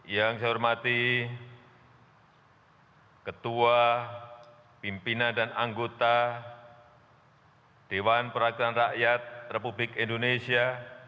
yang saya hormati ketua pimpinan dan anggota dewan perwakilan rakyat republik indonesia